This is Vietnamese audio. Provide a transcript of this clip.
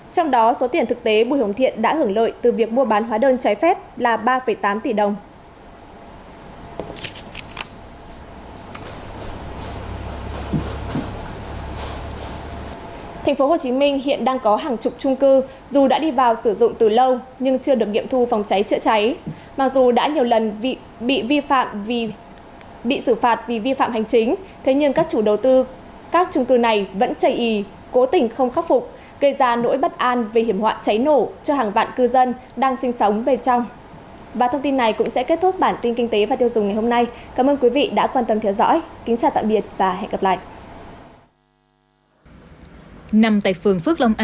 trong đó số tiền thực tế bùi hồng thiện đã hưởng lợi từ việc mua bán hóa đơn trái phép là ba tám tỷ đồng